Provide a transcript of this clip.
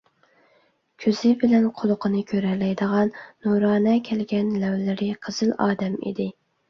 كۆزى بىلەن قۇلىقىنى كۆرەلەيدىغان، نۇرانە كەلگەن، لەۋلىرى قىزىل ئادەم ئىدى.